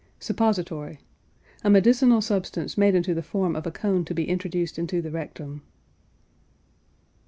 SUPPOSITORY. A medicinal substance made into the form of a cone to be introduced into the rectum.